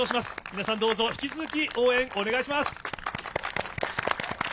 皆さん、どうぞ引き続き応援お願いします。